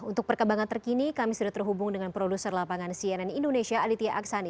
untuk perkembangan terkini kami sudah terhubung dengan produser lapangan cnn indonesia aditya aksani